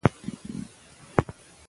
د کور دننه يخ باد مه پرېږدئ.